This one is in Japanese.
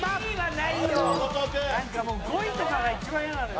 なんかもう５位とかが一番イヤなのよ